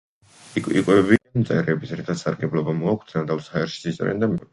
იკვებებიან მწერებით, რითაც სარგებლობა მოაქვთ; ნადავლს ჰაერშიც იჭერენ და მიწაზეც მოიპოვებენ.